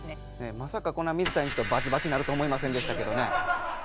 まさかこんな水田エンジとバチバチになるとは思いませんでしたけどね。